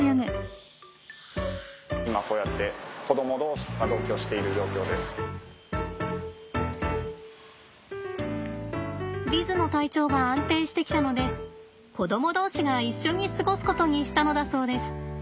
今こうやってヴィズの体調が安定してきたので子どもどうしが一緒に過ごすことにしたのだそうです。